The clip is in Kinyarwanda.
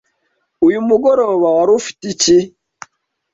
Uyu mugoroba wari ufite iki?